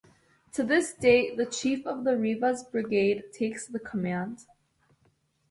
To this date, the chief of the Rivas brigade takes the command.